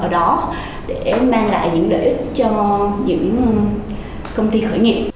cho những công ty khởi nghiệp